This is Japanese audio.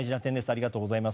ありがとうございます。